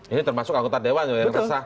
ini termasuk anggota dewan yang resah